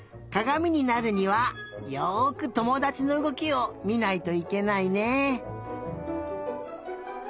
かがみになるにはよくともだちのうごきをみないといけないね。